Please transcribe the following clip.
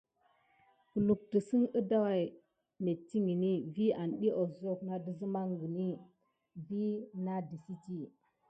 Kuma tisine gəda waya ho na wuzlera metikine diy kisok kegayata vi nadesiti.